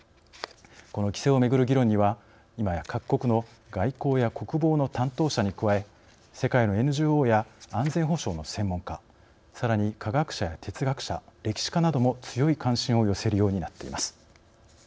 この規制をめぐる議論にはいまや各国の外交や国防の担当者に加え世界のＮＧＯや安全保障の専門家さらに科学者や哲学者歴史家なども強い関心を寄せるようになっています。